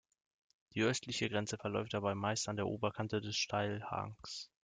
Die östliche Grenze verläuft dabei meist an der Oberkante des Steilhangs.